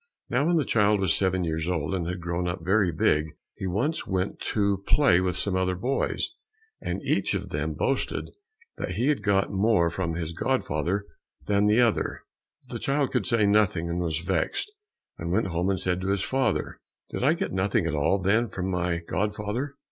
Now when the child was seven years old and had grown very big, he once went to play with some other boys, and each of them boasted that he had got more from his godfather than the other; but the child could say nothing, and was vexed, and went home and said to his father, "Did I get nothing at all, then, from my godfather?"